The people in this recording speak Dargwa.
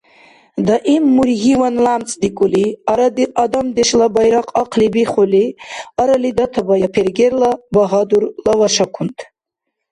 Даим мургьиван лямцӀдикӀули, адамдешла байрахъ ахъли бихули арали датабая, пергерла багьадур лавашакунт.